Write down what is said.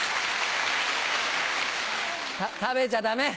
食べちゃダメ！